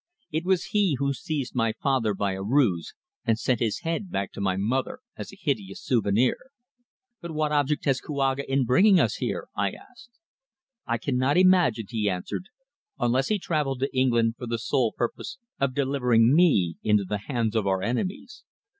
It was he who seized my father by a ruse and sent his head back to my mother as a hideous souvenir." "But what object has Kouaga in bringing us here?" I asked. "I cannot imagine," he answered. "Unless he travelled to England, for the sole purpose of delivering me into the hands of our enemies.